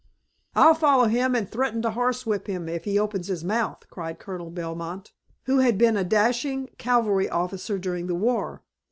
"I'll follow him and threaten to horsewhip him if he opens his mouth!" cried Colonel Belmont, who had been a dashing cavalry officer during the war.